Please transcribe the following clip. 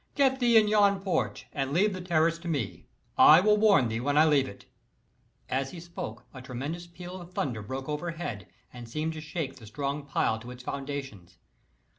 "Get thee in yon porch, and leave the terrace to me. I will warn thee when I leave it." As he spoke a tremendous peal of thunder broke overhead, and seemed to shake the strong pile to its foundations.